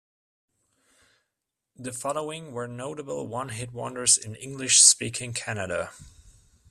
The following were notable one-hit wonders in English speaking Canada.